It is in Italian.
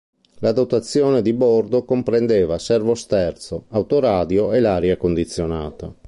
La dotazione di bordo comprendeva servosterzo, autoradio e l'aria condizionata.